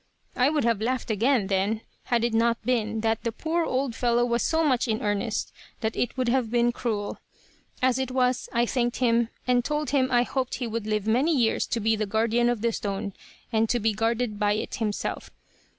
"I would have laughed again, then, had it not been that the poor old fellow was so much in earnest that it would have been cruel. As it was, I thanked him, and told him I hoped he would live many years to be the guardian of the stone, and to be guarded by it himself.